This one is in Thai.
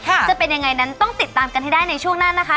จะเป็นยังไงนั้นต้องติดตามกันให้ได้ในช่วงหน้านะคะ